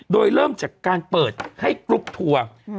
โดยเริ่มจากการเปิดให้กรุ๊ปทัวร์